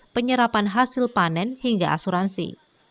penyerapan hasil panen hingga asuransi